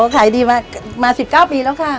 ขายดีมา๑๙ปีแล้วค่ะ